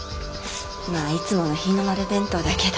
まあいつもの日の丸弁当だけど。